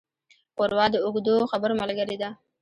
ښوروا د اوږدو خبرو ملګري ده.